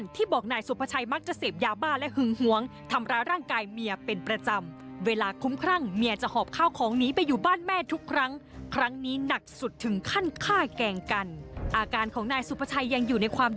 ลูกสาววัย๑๖ไข้กาลตอนเกิดเห็นนอนอยู่อีกห้องได้ยินเสียงพ่อแม่สิ้นใจตรงหน้า